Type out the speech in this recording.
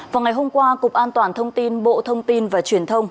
vào ngày hôm qua cục an toàn thông tin bộ thông tin và truyền thông